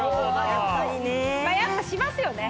やっぱしますよね！